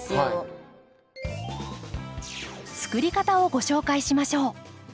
作り方をご紹介しましょう。